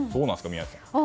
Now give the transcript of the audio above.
宮司さん。